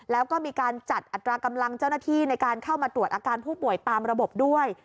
แล้วก็มีการจัดอัตรากำลังเจ้าหน้าที่ในการเข้ามาตรวจอาการผู้ป่วยตามระบบด้วย